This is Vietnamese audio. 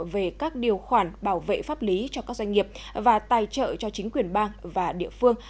về các điều khoản bảo vệ pháp lý cho các doanh nghiệp và tài trợ cho chính quyền bang và địa phương